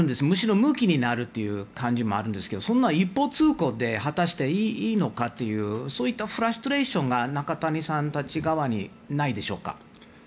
むしろ、むきになるという感じもあるんですけど、一方通行で果たしていいのかというそういったフラストレーションが中谷さんたち側にないですか。